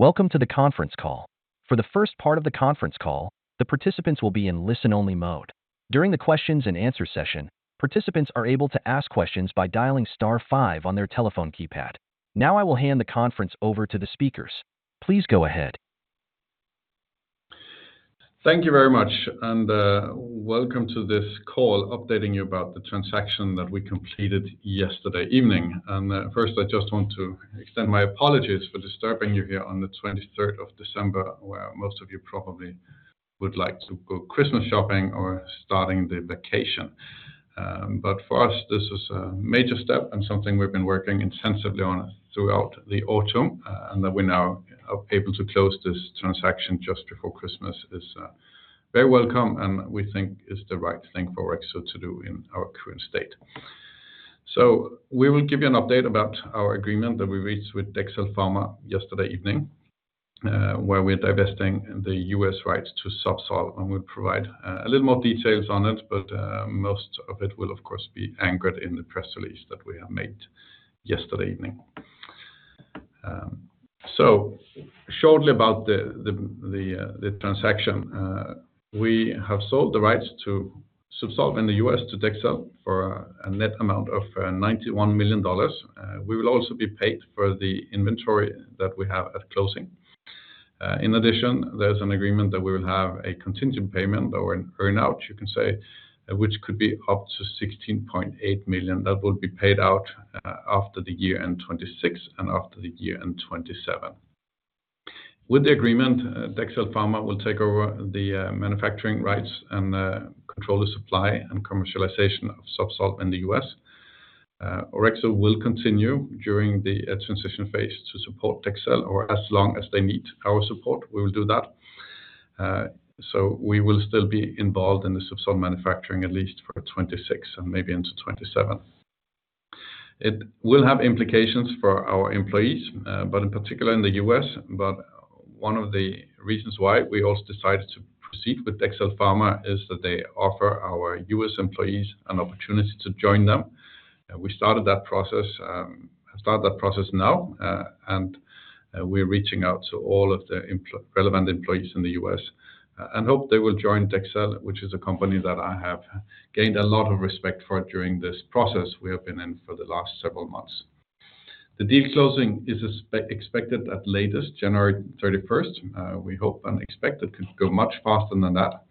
Welcome to the conference call. For the first part of the conference call, the participants will be in listen-only mode. During the Q&A session, participants are able to ask questions by dialing *5 on their telephone keypad. Now I will hand the conference over to the speakers. Please go ahead. Thank you very much, and welcome to this call updating you about the transaction that we completed yesterday evening. And first, I just want to extend my apologies for disturbing you here on the 23rd of December, where most of you probably would like to go Christmas shopping or starting the vacation. But for us, this is a major step and something we've been working intensively on throughout the autumn, and that we now are able to close this transaction just before Christmas is very welcome and we think is the right thing for Orexo to do in our current state. So we will give you an update about our agreement that we reached with Dexcel Pharma yesterday evening, where we're divesting the U.S. rights to Zubsolv, and we'll provide a little more details on it, but most of it will, of course, be anchored in the press release that we have made yesterday evening. So shortly about the transaction, we have sold the rights to Zubsolv in the U.S. to Dexcel for a net amount of $91 million. We will also be paid for the inventory that we have at closing. In addition, there's an agreement that we will have a continued payment or an earn-out, you can say, which could be up to $16.8 million that will be paid out after the year end 2026 and after the year end 2027. With the agreement, Dexcel Pharma will take over the manufacturing rights and control the supply and commercialization of Zubsolv in the U.S. Orexo will continue during the transition phase to support Dexcel or as long as they need our support, we will do that, so we will still be involved in the Zubsolv manufacturing at least for 2026 and maybe into 2027. It will have implications for our employees, but in particular in the U.S., but one of the reasons why we also decided to proceed with Dexcel Pharma is that they offer our U.S. employees an opportunity to join them. We started that process now, and we're reaching out to all of the relevant employees in the U.S. and hope they will join Dexcel, which is a company that I have gained a lot of respect for during this process we have been in for the last several months. The deal closing is expected at latest January 31st. We hope and expect it could go much faster than that.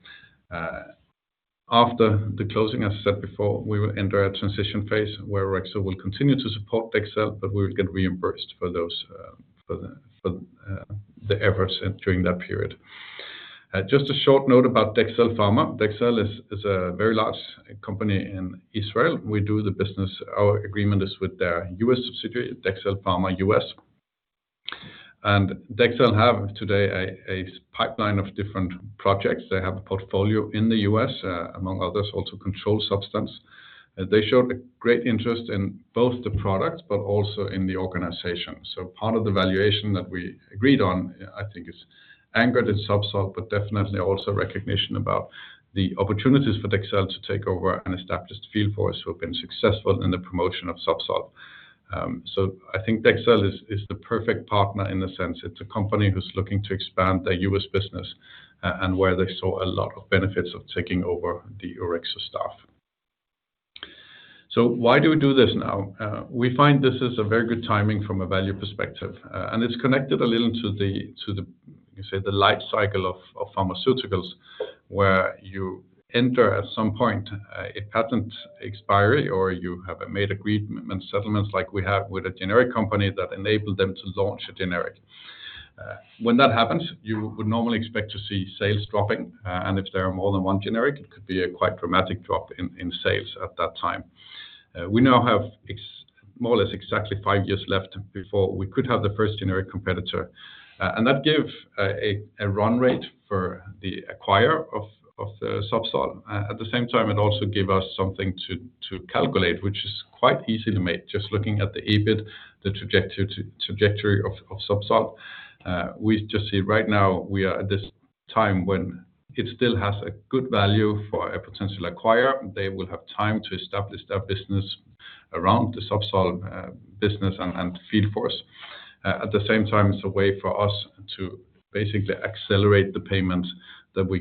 After the closing, as I said before, we will enter a transition phase where Orexo will continue to support Dexcel, but we will get reimbursed for the efforts during that period. Just a short note about Dexcel Pharma. Dexcel is a very large company in Israel. We do the business. Our agreement is with their U.S. subsidiary, Dexcel Pharma US. Dexcel has today a pipeline of different projects. They have a portfolio in the U.S., among others, also controlled substance. They showed a great interest in both the product, but also in the organization. So part of the valuation that we agreed on, I think, is anchored in Zubsolv, but definitely also recognition about the opportunities for Dexcel to take over and establish the field for us who have been successful in the promotion of Zubsolv. So I think Dexcel is the perfect partner in the sense it's a company who's looking to expand their U.S. business and where they saw a lot of benefits of taking over the Orexo staff. So why do we do this now? We find this is a very good timing from a value perspective, and it's connected a little to the, you say, the life cycle of pharmaceuticals, where you enter at some point a patent expiry or you have made agreements and settlements like we have with a generic company that enabled them to launch a generic. When that happens, you would normally expect to see sales dropping, and if there are more than one generic, it could be a quite dramatic drop in sales at that time. We now have more or less exactly five years left before we could have the first generic competitor, and that gave a run rate for the acquirer of the Zubsolv. At the same time, it also gave us something to calculate, which is quite easily made just looking at the EBIT, the trajectory of Zubsolv. We just see right now we are at this time when it still has a good value for a potential acquirer. They will have time to establish their business around the Zubsolv business and yield for us. At the same time, it's a way for us to basically accelerate the payments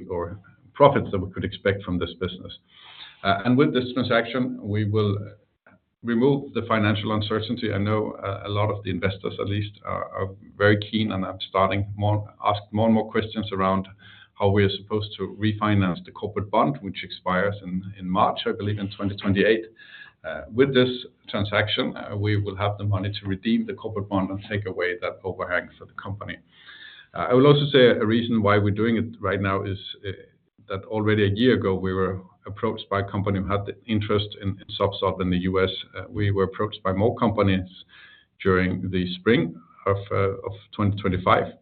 or profits that we could expect from this business. With this transaction, we will remove the financial uncertainty. I know a lot of the investors, at least, are very keen and are starting to ask more and more questions around how we are supposed to refinance the corporate bond, which expires in March, I believe, in 2028. With this transaction, we will have the money to redeem the corporate bond and take away that overhang for the company. I will also say a reason why we're doing it right now is that already a year ago, we were approached by a company who had interest in Zubsolv in the U.S. We were approached by more companies during the spring of 2025,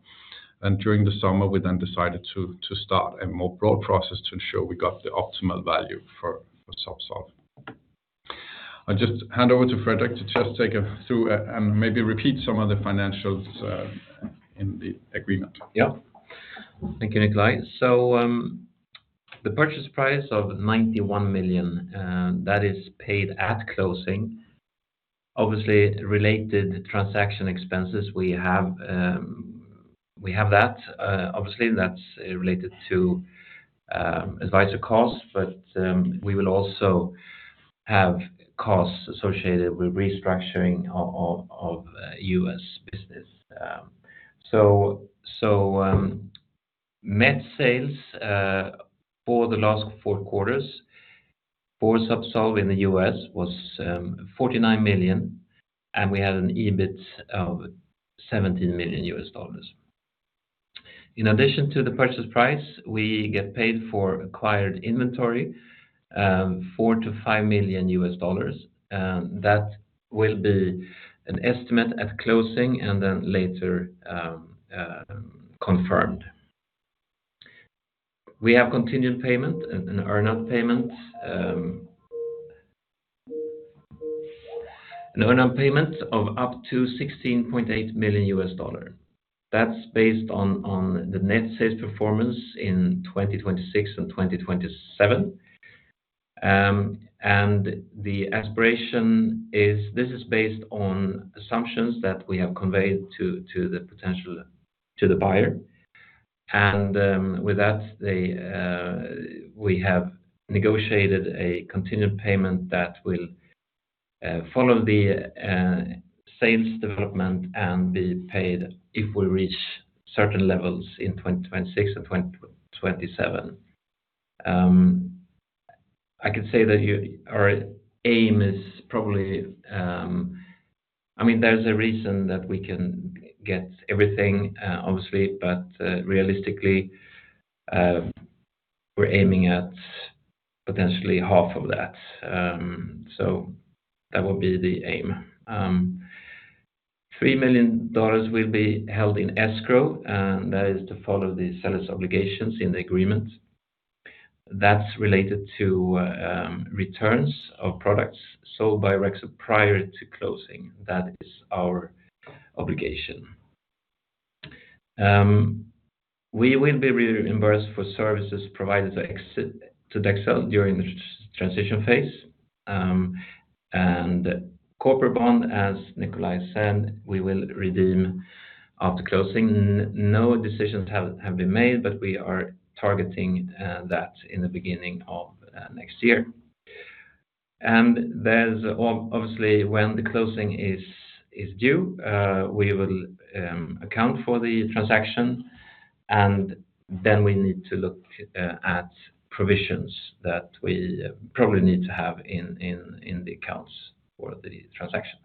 and during the summer, we then decided to start a more broad process to ensure we got the optimal value for Zubsolv. I'll just hand over to Fredrik to just take us through and maybe repeat some of the financials in the agreement. Yeah. Thank you, Nikolaj. So the purchase price of $91 million that is paid at closing. Obviously, related transaction expenses, we have that. Obviously, that's related to advisor costs, but we will also have costs associated with restructuring of U.S. business. So net sales for the last four quarters for Zubsolv in the U.S. was $49 million, and we had an EBIT of $17 million. In addition to the purchase price, we get paid for acquired inventory, $4-$5 million. That will be an estimate at closing and then later confirmed. We have contingent payment and earn-out payments. An earn-out payment of up to $16.8 million. That's based on the net sales performance in 2026 and 2027. And the aspiration is this is based on assumptions that we have conveyed to the buyer. With that, we have negotiated a continued payment that will follow the sales development and be paid if we reach certain levels in 2026 and 2027. I could say that our aim is probably I mean, there's a reason that we can get everything, obviously, but realistically, we're aiming at potentially half of that. So that will be the aim. $3 million will be held in escrow, and that is to follow the seller's obligations in the agreement. That's related to returns of products sold by Orexo prior to closing. That is our obligation. We will be reimbursed for services provided to Dexcel during the transition phase. Corporate bond, as Nikolaj said, we will redeem after closing. No decisions have been made, but we are targeting that in the beginning of next year. There's obviously, when the closing is due, we will account for the transaction, and then we need to look at provisions that we probably need to have in the accounts for the transaction.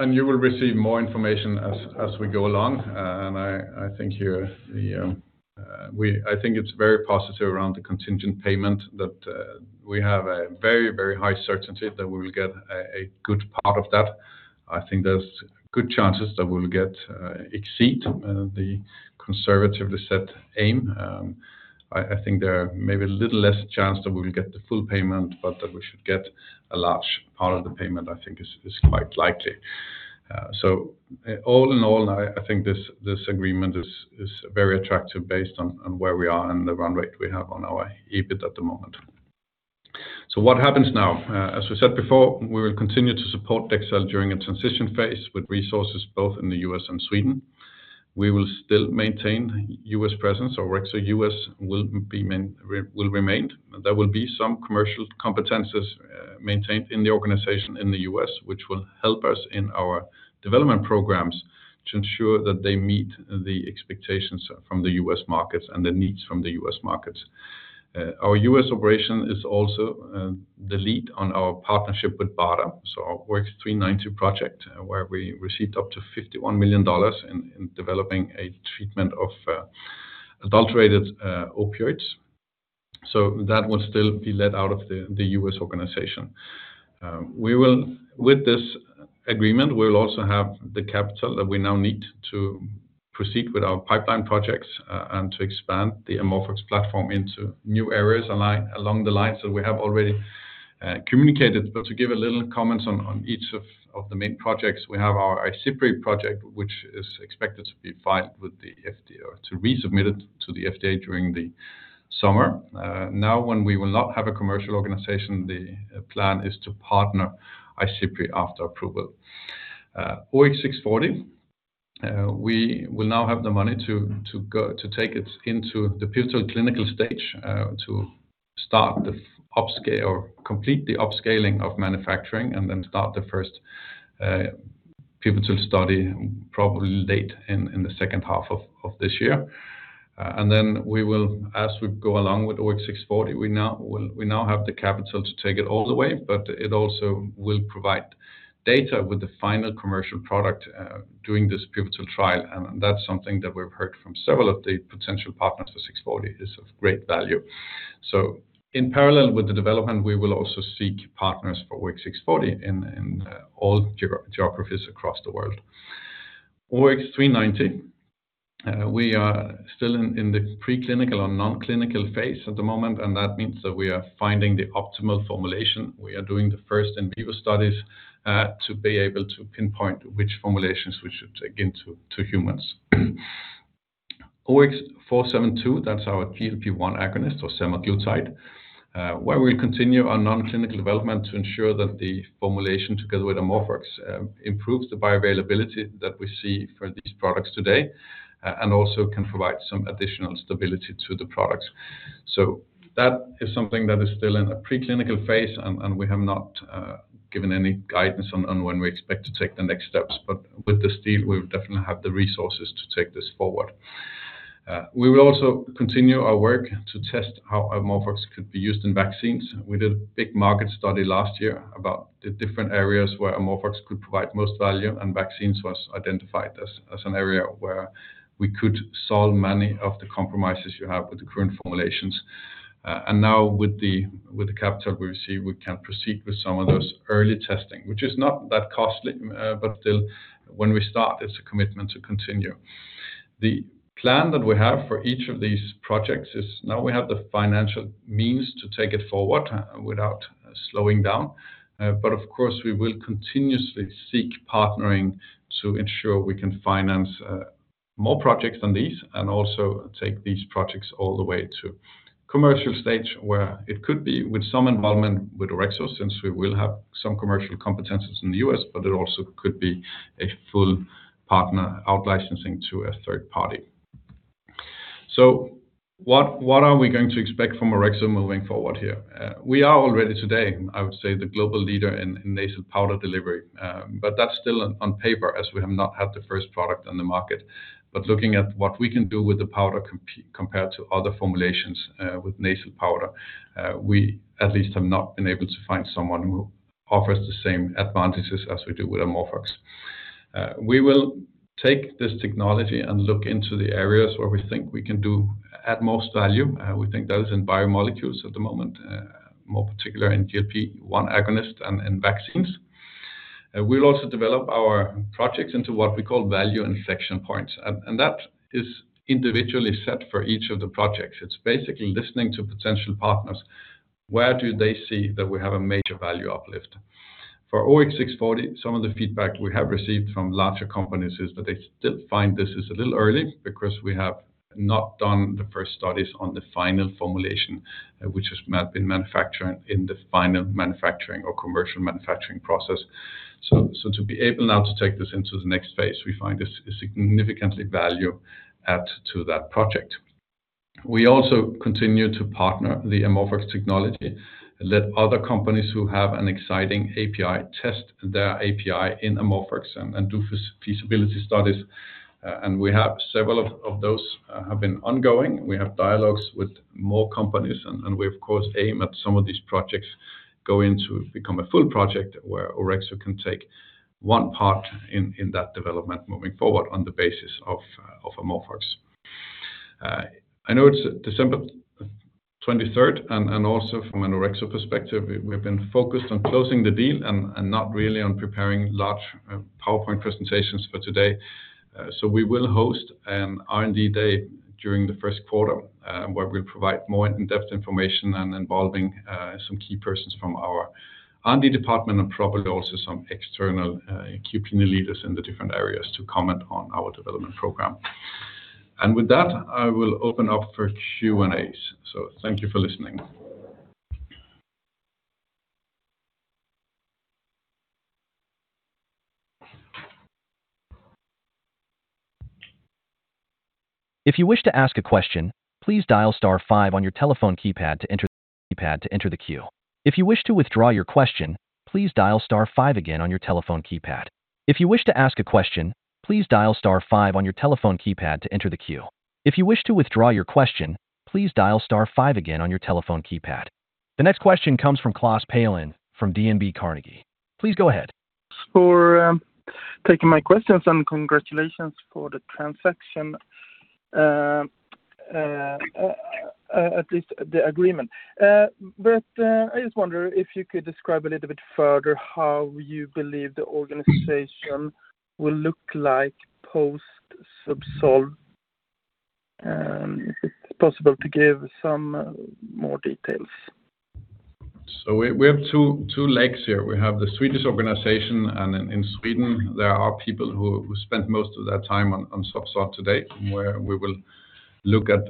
Yeah. You will receive more information as we go along. I think here, I think it's very positive around the contingent payment that we have a very, very high certainty that we will get a good part of that. I think there's good chances that we will exceed the conservatively set aim. I think there may be a little less chance that we will get the full payment, but that we should get a large part of the payment, I think, is quite likely. So all in all, I think this agreement is very attractive based on where we are and the run rate we have on our EBIT at the moment. So what happens now? As we said before, we will continue to support Dexcel during a transition phase with resources both in the U.S. and Sweden. We will still maintain U.S. presence. Orexo U.S. will remain. There will be some commercial competencies maintained in the organization in the U.S., which will help us in our development programs to ensure that they meet the expectations from the U.S. markets and the needs from the U.S. markets. Our U.S. operation is also the lead on our partnership with BARDA, so our OX124 project, where we received up to $51 million in developing a treatment of adulterated opioids. So that will still be led out of the U.S. organization. With this agreement, we will also have the capital that we now need to proceed with our pipeline projects and to expand the AmorphOX platform into new areas along the lines that we have already communicated. But to give a little comments on each of the main projects, we have our OX124 project, which is expected to be filed with the FDA or to be resubmitted to the FDA during the summer. Now, when we will not have a commercial organization, the plan is to partner OX124 after approval. OX640, we will now have the money to take it into the pivotal clinical stage to start the upscale or complete the upscaling of manufacturing and then start the first pivotal study probably late in the second half of this year. And then we will, as we go along with OX640, we now have the capital to take it all the way, but it also will provide data with the final commercial product during this pivotal trial. And that's something that we've heard from several of the potential partners for 640 is of great value. In parallel with the development, we will also seek partners for OX640 in all geographies across the world. OX390, we are still in the preclinical or non-clinical phase at the moment, and that means that we are finding the optimal formulation. We are doing the first in vivo studies to be able to pinpoint which formulations we should take into humans. OX472, that's our GLP-1 agonist or semaglutide, where we'll continue our non-clinical development to ensure that the formulation together with AmorphOX improves the bioavailability that we see for these products today and also can provide some additional stability to the products. That is something that is still in a preclinical phase, and we have not given any guidance on when we expect to take the next steps. With the sale, we will definitely have the resources to take this forward. We will also continue our work to test how AmorphOX could be used in vaccines. We did a big market study last year about the different areas where AmorphOX could provide most value, and vaccines was identified as an area where we could solve many of the compromises you have with the current formulations, and now, with the capital we receive, we can proceed with some of those early testing, which is not that costly, but still, when we start, it's a commitment to continue. The plan that we have for each of these projects is now we have the financial means to take it forward without slowing down. But of course, we will continuously seek partnering to ensure we can finance more projects than these and also take these projects all the way to commercial stage where it could be with some involvement with Orexo since we will have some commercial competencies in the US, but it also could be a full partner outlicensing to a third party. So what are we going to expect from Orexo moving forward here? We are already today, I would say, the global leader in nasal powder delivery, but that's still on paper as we have not had the first product on the market. But looking at what we can do with the powder compared to other formulations with nasal powder, we at least have not been able to find someone who offers the same advantages as we do with AmorphOX. We will take this technology and look into the areas where we think we can do at most value. We think those in biomolecules at the moment, more particularly in GLP-1 agonist and in vaccines. We'll also develop our projects into what we call value inflection points, and that is individually set for each of the projects. It's basically listening to potential partners. Where do they see that we have a major value uplift? For OX640, some of the feedback we have received from larger companies is that they still find this is a little early because we have not done the first studies on the final formulation, which has been manufactured in the final manufacturing or commercial manufacturing process. So to be able now to take this into the next phase, we find this is significantly value add to that project. We also continue to partner the AmorphOX technology, let other companies who have an exciting API test their API in AmorphOX and do feasibility studies. And we have several of those have been ongoing. We have dialogues with more companies, and we, of course, aim at some of these projects going to become a full project where Orexo can take one part in that development moving forward on the basis of AmorphOX. I know it's December 23rd, and also from an Orexo perspective, we've been focused on closing the deal and not really on preparing large PowerPoint presentations for today. So we will host an R&D day during the first quarter where we'll provide more in-depth information and involving some key persons from our R&D department and probably also some external Key Opinion Leaders in the different areas to comment on our development program. With that, I will open up for Q&As. Thank you for listening. If you wish to ask a question, please dial star five on your telephone keypad to enter the queue. If you wish to withdraw your question, please dial star five again on your telephone keypad. The next question comes from Klas Palin from DNB Carnegie. Please go ahead. For taking my questions and congratulations for the transaction, at least the agreement. But I just wonder if you could describe a little bit further how you believe the organization will look like post-Zubsolv. If it's possible to give some more details. So we have two legs here. We have the Swedish organization, and in Sweden, there are people who spend most of their time on Zubsolv today, where we will look at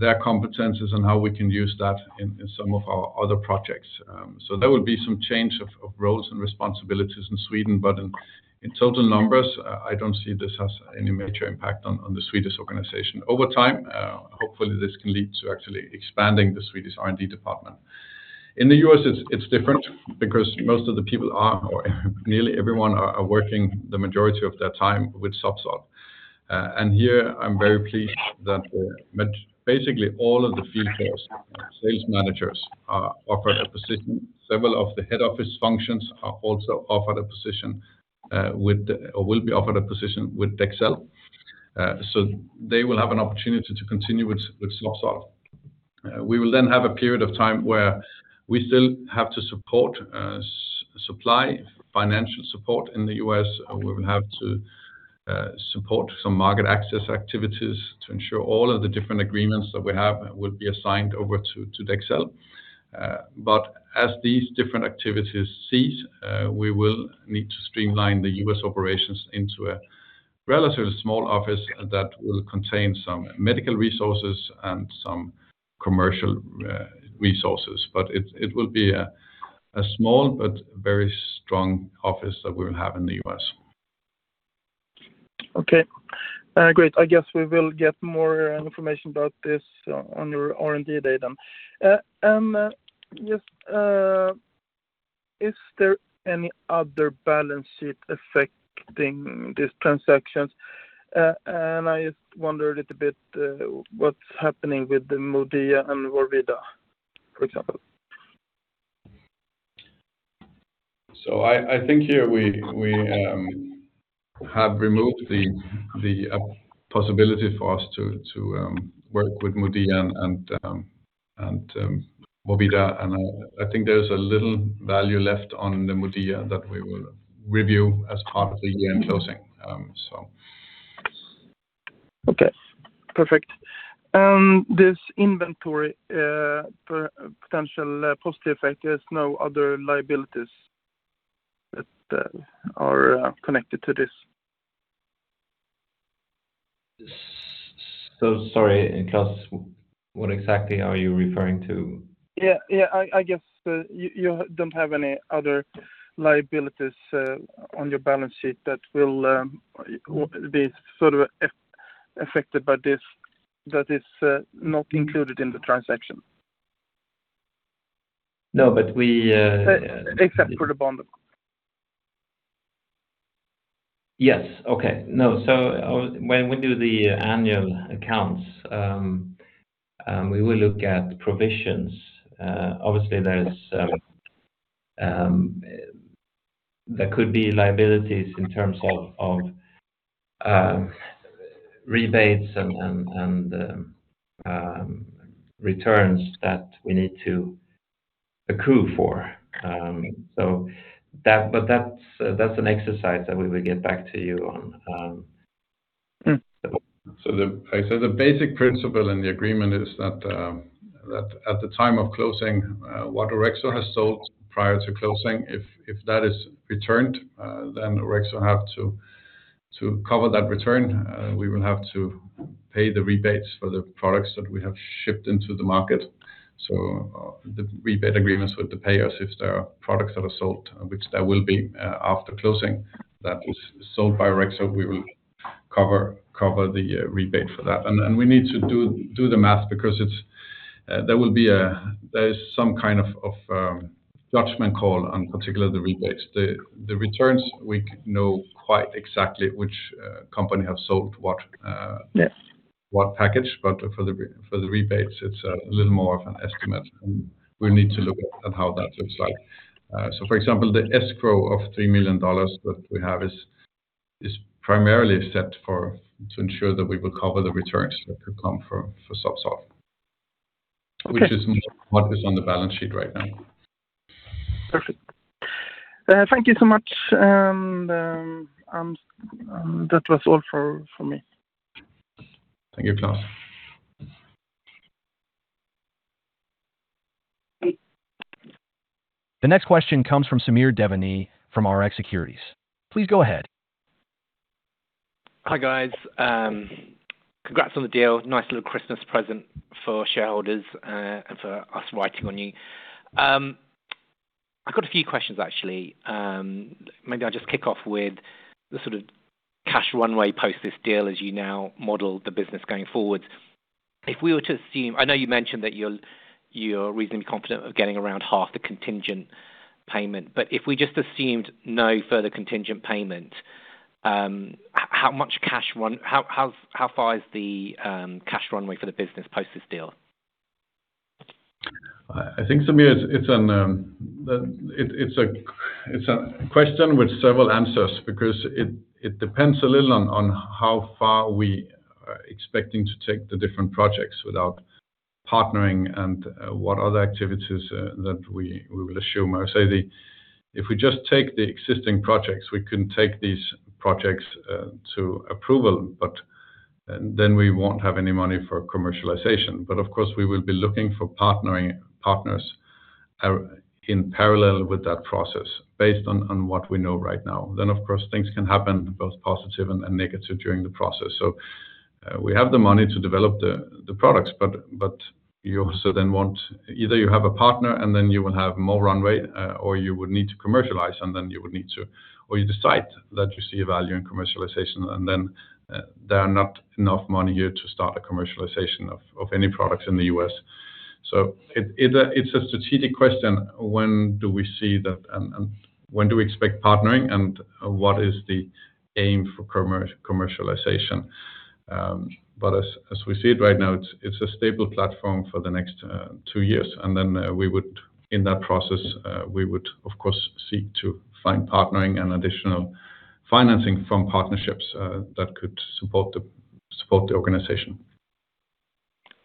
their competencies and how we can use that in some of our other projects. So there will be some change of roles and responsibilities in Sweden, but in total numbers, I don't see this as any major impact on the Swedish organization. Over time, hopefully, this can lead to actually expanding the Swedish R&D department. In the U.S., it's different because most of the people are, or nearly everyone are working the majority of their time with Zubsolv. And here, I'm very pleased that basically all of the field force, sales managers are offered a position. Several of the head office functions are also offered a position with or will be offered a position with Dexcel. So they will have an opportunity to continue with Zubsolv. We will then have a period of time where we still have to support supply, financial support in the U.S. We will have to support some market access activities to ensure all of the different agreements that we have will be assigned over to Dexcel. But as these different activities cease, we will need to streamline the U.S. operations into a relatively small office that will contain some medical resources and some commercial resources. But it will be a small but very strong office that we will have in the U.S. Okay. Great. I guess we will get more information about this on your R&D day then. And just is there any other balance sheet affecting these transactions? And I just wondered a bit what's happening with the MODIA and vorvida, for example? So I think here we have removed the possibility for us to work with MODIA and vorvida. And I think there's a little value left on the MODIA that we will review as part of the year-end closing, so. Okay. Perfect. And this inventory for potential positive factors, no other liabilities that are connected to this? So sorry, Klas, what exactly are you referring to? Yeah, yeah. I guess you don't have any other liabilities on your balance sheet that will be sort of affected by this that is not included in the transaction. No, but we. Except for the bond. Yes. Okay. No, so when we do the annual accounts, we will look at provisions. Obviously, there could be liabilities in terms of rebates and returns that we need to accrue for. But that's an exercise that we will get back to you on. So the basic principle in the agreement is that at the time of closing, what Orexo has sold prior to closing, if that is returned, then Orexo have to cover that return. We will have to pay the rebates for the products that we have shipped into the market. So the rebate agreements with the payers, if there are products that are sold, which there will be after closing, that is sold by Orexo, we will cover the rebate for that. And we need to do the math because there will be some kind of judgment call on particularly the rebates. The returns, we know quite exactly which company has sold what package. But for the rebates, it's a little more of an estimate. And we need to look at how that looks like. For example, the escrow of $3 million that we have is primarily set to ensure that we will cover the returns that could come for Zubsolv, which is what is on the balance sheet right now. Perfect. Thank you so much. That was all for me. Thank you, Klas. The next question comes from Samir Devani from Rx Securities. Please go ahead. Hi guys. Congrats on the deal. Nice little Christmas present for shareholders and for us writing on you. I've got a few questions, actually. Maybe I'll just kick off with the sort of cash runway post this deal as you now model the business going forward. If we were to assume, I know you mentioned that you're reasonably confident of getting around half the contingent payment, but if we just assumed no further contingent payment, how far is the cash runway for the business post this deal? I think, Samir, it's a question with several answers because it depends a little on how far we are expecting to take the different projects without partnering and what other activities that we will assume. I say if we just take the existing projects, we can take these projects to approval, but then we won't have any money for commercialization. But of course, we will be looking for partners in parallel with that process based on what we know right now. Then, of course, things can happen both positive and negative during the process. So we have the money to develop the products, but you also then want either you have a partner and then you will have more runway, or you would need to commercialize and then you would need to, or you decide that you see a value in commercialization and then there are not enough money here to start a commercialization of any products in the US. So it's a strategic question. When do we see that and when do we expect partnering and what is the aim for commercialization? But as we see it right now, it's a stable platform for the next two years. And then in that process, we would, of course, seek to find partnering and additional financing from partnerships that could support the organization.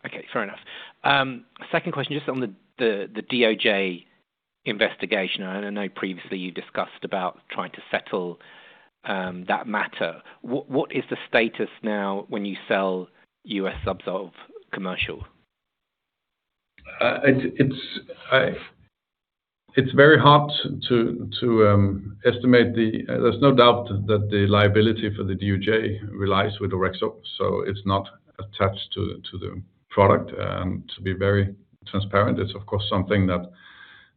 Okay. Fair enough. Second question, just on the DOJ investigation. I know previously you discussed about trying to settle that matter. What is the status now when you sell U.S. Zubsolv commercial? It's very hard to estimate. There's no doubt that the liability for the DOJ relies with Orexo, so it's not attached to the product. To be very transparent, it's, of course, something that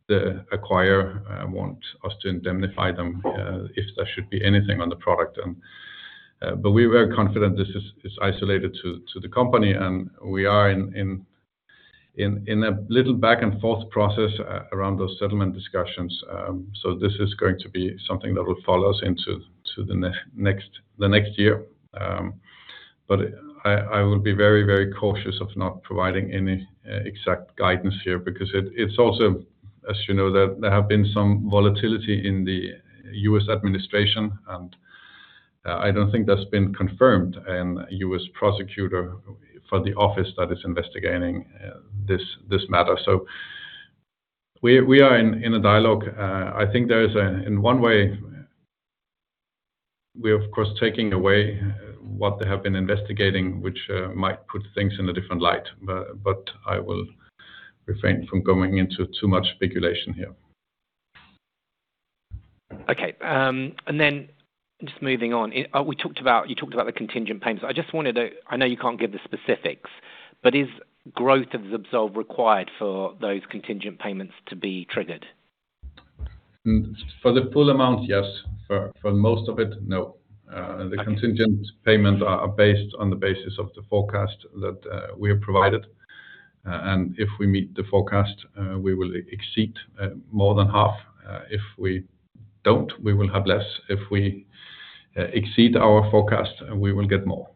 the acquirer wants us to indemnify them if there should be anything on the product. But we're very confident this is isolated to the company and we are in a little back-and-forth process around those settlement discussions. This is going to be something that will follow us into the next year. But I will be very, very cautious of not providing any exact guidance here because it's also, as you know, there have been some volatility in the U.S. administration, and I don't think that's been confirmed. And U.S. prosecutor for the office that is investigating this matter. So we are in a dialogue. I think there is, in one way, we're, of course, taking away what they have been investigating, which might put things in a different light. But I will refrain from going into too much speculation here. Okay, and then just moving on, you talked about the contingent payments. I just wanted to. I know you can't give the specifics, but is growth of the Zubsolv required for those contingent payments to be triggered? For the full amount, yes. For most of it, no. The contingent payments are based on the basis of the forecast that we have provided, and if we meet the forecast, we will exceed more than half. If we don't, we will have less. If we exceed our forecast, we will get more,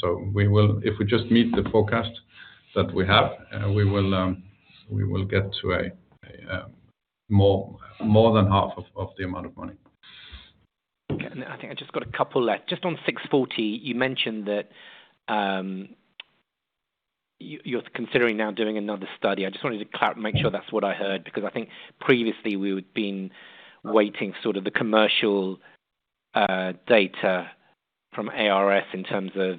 so if we just meet the forecast that we have, we will get to more than half of the amount of money. Okay. I think I just got a couple left. Just on 640, you mentioned that you're considering now doing another study. I just wanted to make sure that's what I heard because I think previously we had been waiting for sort of the commercial data from ARS in terms of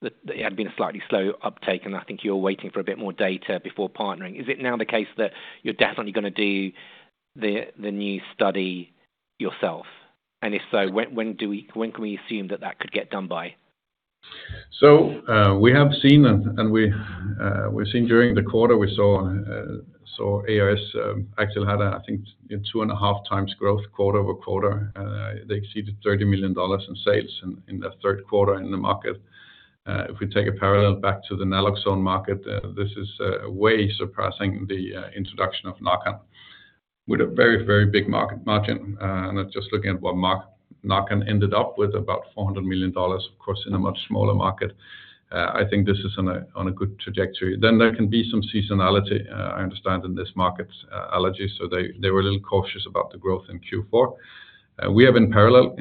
it had been a slightly slow uptake, and I think you're waiting for a bit more data before partnering. Is it now the case that you're definitely going to do the new study yourself? And if so, when can we assume that that could get done by? So we have seen, and we've seen during the quarter, we saw ARS actually had, I think, two and a half times growth quarter-over-quarter. They exceeded $30 million in sales in the third quarter in the market. If we take a parallel back to the naloxone market, this is way surpassing the introduction of Narcan with a very, very big market margin. And just looking at what Narcan ended up with, about $400 million, of course, in a much smaller market, I think this is on a good trajectory. Then there can be some seasonality. I understand in this market's allergy, so they were a little cautious about the growth in Q4. We have in parallel,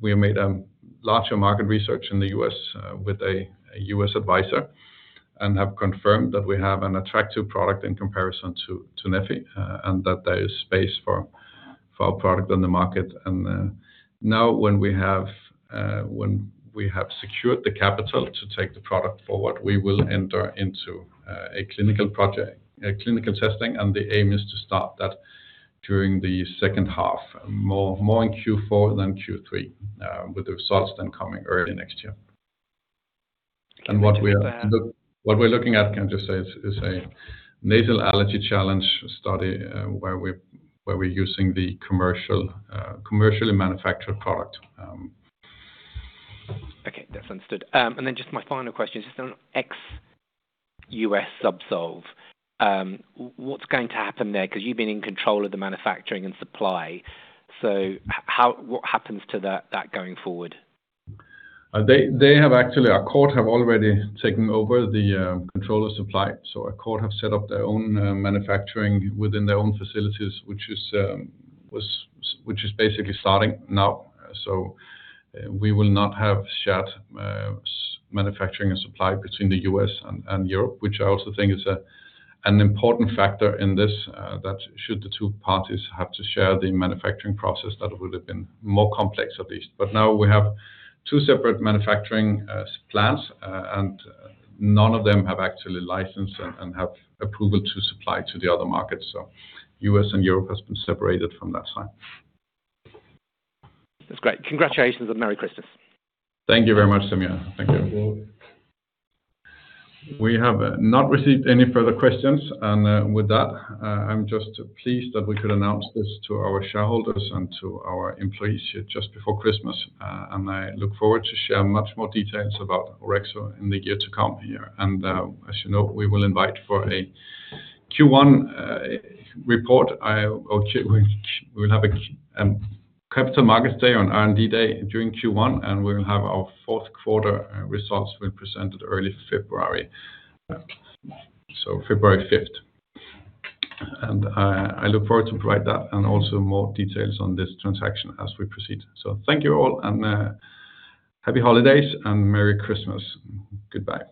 we have made a larger market research in the U.S. with a U.S. advisor and have confirmed that we have an attractive product in comparison to neffy and that there is space for our product on the market. And now when we have secured the capital to take the product forward, we will enter into a clinical testing, and the aim is to start that during the second half, more in Q4 than Q3, with the results then coming early next year. And what we're looking at, can I just say, is a nasal allergy challenge study where we're using the commercially manufactured product. Okay. That's understood. And then just my final question is just on ex-U.S. Zubsolv. What's going to happen there? Because you've been in control of the manufacturing and supply. So what happens to that going forward? They have actually. Accord have already taken over the control of supply. So Accord have set up their own manufacturing within their own facilities, which is basically starting now. So we will not have shared manufacturing and supply between the U.S. and Europe, which I also think is an important factor in this. That should the two parties have to share the manufacturing process, that would have been more complex at least. But now we have two separate manufacturing plants, and none of them have actually licensed and have approval to supply to the other markets. So U.S. and Europe has been separated from that side. That's great. Congratulations and Merry Christmas. Thank you very much, Samir. Thank you. We have not received any further questions, and with that, I'm just pleased that we could announce this to our shareholders and to our employees just before Christmas, and I look forward to share much more details about Orexo in the year to come here. And as you know, we will invite for a Q1 report. We will have a Capital Markets Day on R&D Day during Q1, and we will have our fourth quarter results presented early February, so February 5th, and I look forward to provide that and also more details on this transaction as we proceed, so thank you all and happy holidays and Merry Christmas. Goodbye.